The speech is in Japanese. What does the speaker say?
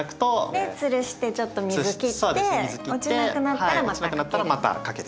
でつるしてちょっと水切って落ちなくなったらまた掛ける。